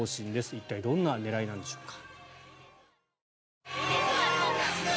一体どんな狙いなんでしょうか。